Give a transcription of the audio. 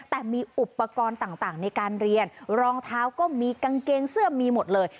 แต่มีอุปกรณ์ต่างในการเรียนรองเท้าก็มีกางเกงเสื้อมีหมดเลย